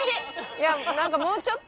いやなんかもうちょっと。